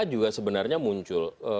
juga sebenarnya muncul